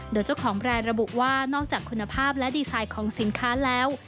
โดยเจ้าของแบรนด์ระบุว่านอกจากคุณภาพและดีไซน์ของสินค้าแล้ว